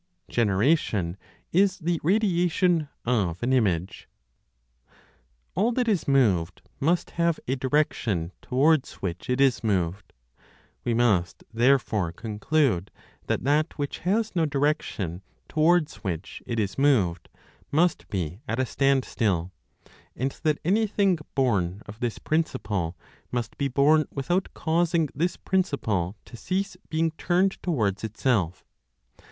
GENERATION IS THE RADIATION OF AN IMAGE. All that is moved must have a direction towards which it is moved; we must therefore conclude that that which has no direction towards which it is moved must be at a stand still, and that anything born of this principle must be born without causing this principle to cease being turned towards itself.